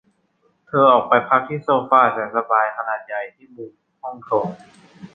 เธอออกไปพักที่โซฟาแสนสบายขนาดใหญ่ที่มุมห้องโถง